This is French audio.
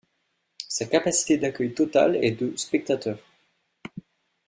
Sa capacité d'accueil totale est de spectateurs.